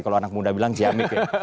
kalau anak muda bilang ciamik ya